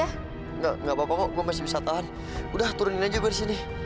enggak enggak apa apa mo gue masih bisa tahan udah turunin aja gue di sini